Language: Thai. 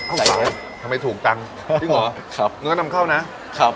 อะไรทำไมถูกจังจริงเหรอครับเนื้อนำเข้านะครับ